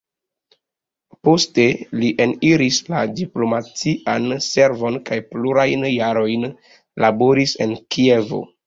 Poste li eniris la diplomatian servon kaj plurajn jarojn laboris en Kievo.